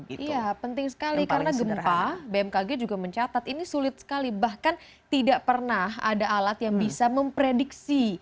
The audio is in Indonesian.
iya penting sekali karena gempa bmkg juga mencatat ini sulit sekali bahkan tidak pernah ada alat yang bisa memprediksi